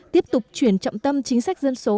tiếp tục chuyển trọng tâm chính sách dân số